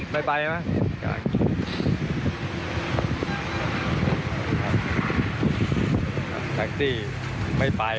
ไม่ไปแล้วไม่ต้องรอทำไม